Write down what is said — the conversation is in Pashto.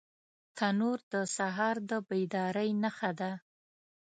تنور د سهار د بیدارۍ نښه ده